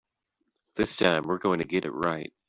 This time we're going to get it right.